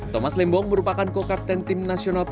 thomas lembong merupakan kokapten tim nasionalisasi